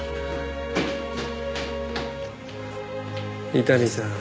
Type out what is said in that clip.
伊丹さん